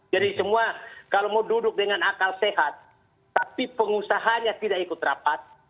jadi semua kalau mau duduk dengan akal sehat tapi pengusahanya tidak ikut rapat